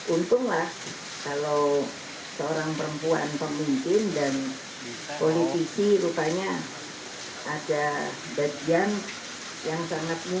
untunglah kalau seorang perempuan pemimpin dan politisi rupanya ada bagian yang sangat murah